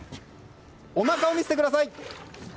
おなかを見せてください！